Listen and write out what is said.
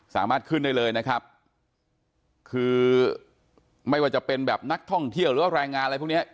สามารถขึ้นได้เลยนะครับคือไม่ว่าจะเป็นแบบนักท่องเที่ยวหรือว่าแรงงานอะไรพวกเนี้ย